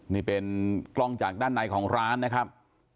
นี่เป็นกล้องจากด้านในของร้านนะครับ